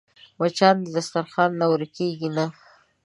مچان د دسترخوان نه ورکېږي نه